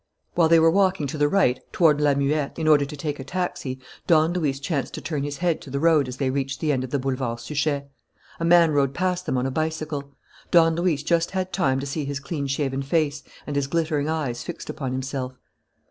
While they were walking to the right, toward La Muette, in order to take a taxi, Don Luis chanced to turn his head to the road as they reached the end of the Boulevard Suchet. A man rode past them on a bicycle. Don Luis just had time to see his clean shaven face and his glittering eyes fixed upon himself.